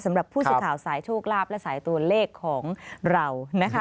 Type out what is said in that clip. สำหรับผู้สื่อข่าวสายโชคลาภและสายตัวเลขของเรานะคะ